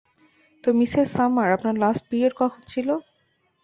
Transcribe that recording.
তো Mrs Summer, আপনার last period কখন ছিল?